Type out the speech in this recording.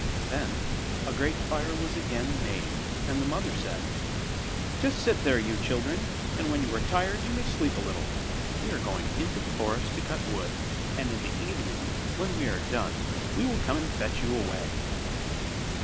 Then a great fire was again made, and the mother said: 'Just sit there, you children, and when you are tired you may sleep a little; we are going into the forest to cut wood, and in the evening when we are done, we will come and fetch you away.